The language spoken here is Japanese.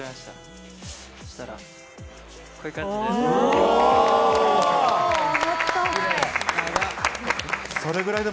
そしたらこういう感じで。